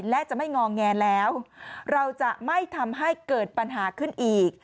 และจะไม่งอแงแล้วเราจะไม่ทำให้เกิดปัญหาขึ้นอีก